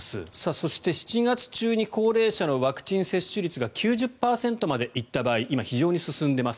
そして、７月中に高齢者のワクチン接種率が９０％まで行った場合今、非常に進んでいます。